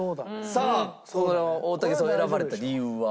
さあ大竹さんを選ばれた理由は？